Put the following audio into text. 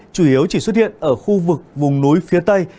chủ yếu chỉ xuất hiện ở khu vực vùng núi phía tây